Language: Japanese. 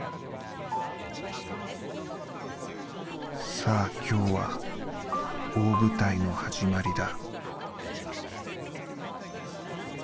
「さあ今日は大舞台の始まりだ」。